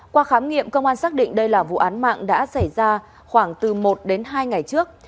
qua khám nghiệm công an xác định đây là vụ án mạng đã xảy ra khoảng từ một đến hai ngày trước